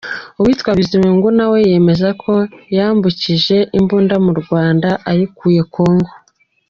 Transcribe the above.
Uwitwa Bizimungu na we yemera ko yambukije Imbunda mu Rwanda ayikuye Congo.